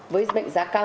với mệnh giá cao